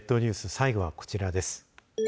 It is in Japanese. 最後はこちらです。